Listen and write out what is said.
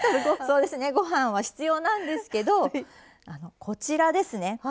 そうですねご飯は必要なんですけどこちらですね。